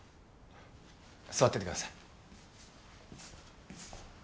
座っててください。